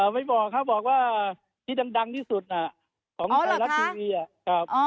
ไม่บอกครับบอกว่าที่ดังที่สุดของไทยรัฐทีวี